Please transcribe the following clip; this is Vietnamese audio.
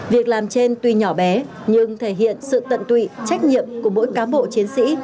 việc làm trên tuy nhỏ bé nhưng thể hiện sự tận tụy trách nhiệm của mỗi cám bộ chiến sĩ